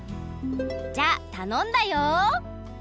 じゃあたのんだよ！